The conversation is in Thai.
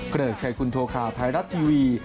เกริ่งใช้คุณโทรคาไทยรัตน์ทีวี